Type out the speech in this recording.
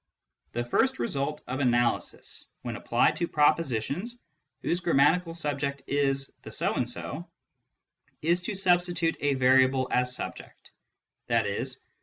The first result of analysis, when applied to propositions whose grammatical subject is " the so and so," is to substitute a variable as subject ; i.e.